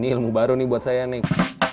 ini ilmu baru nih buat saya nih